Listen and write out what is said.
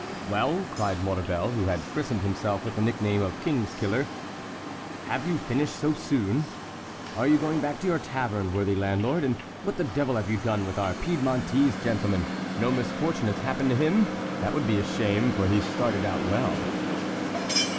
"Well," cried Maurevel, who had christened himself with the nickname of King's Killer, "have you finished so soon? Are you going back to your tavern, worthy landlord? And what the devil have you done with our Piedmontese gentleman? No misfortune has happened to him? That would be a shame, for he started out well."